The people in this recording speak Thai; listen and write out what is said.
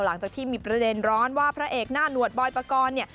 หลังจากที่มีประเด็นร้อนว่าพระเอกหน้าหนวดบอยปกรณ์เนี่ย